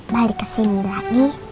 balik kesini lagi